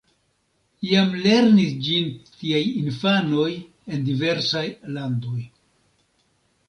Jam lernis ĝin tiaj infanoj en diversaj landoj.